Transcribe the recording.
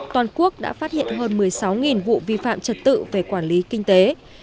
toàn quốc đã phát hiện hơn một mươi sáu vụ vi phạm trật tự về quản lý kinh tế